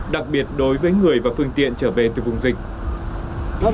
đặc biệt đối với người và phương tiện trở về từ vùng dịch